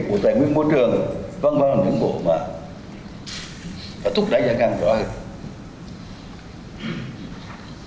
bộ tài nguyên môi trường văn hóa nguyên vụ mà phải thúc đẩy ra càng rõ hơn